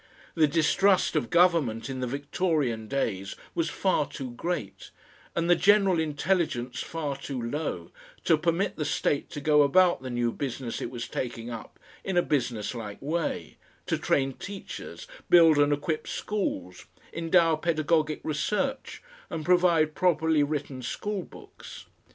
The distrust of government in the Victorian days was far too great, and the general intelligence far too low, to permit the State to go about the new business it was taking up in a businesslike way, to train teachers, build and equip schools, endow pedagogic research, and provide properly written school books.